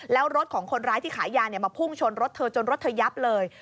แล้วรถของคนร้ายที่ขายยามาพุ่งชนรถเธอจนรถเธอยับเลย